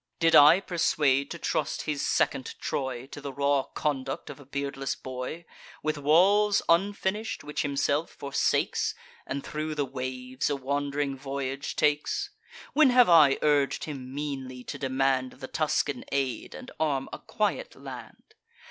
Did I persuade to trust his second Troy To the raw conduct of a beardless boy, With walls unfinish'd, which himself forsakes, And thro' the waves a wand'ring voyage takes? When have I urg'd him meanly to demand The Tuscan aid, and arm a quiet land?